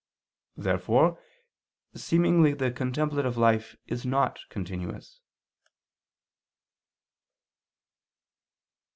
Therefore seemingly the contemplative life is not continuous.